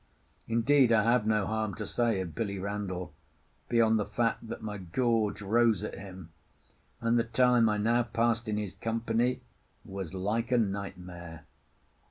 Indeed, I have no harm to say of Billy Randall beyond the fact that my gorge rose at him, and the time I now passed in his company was like a nightmare.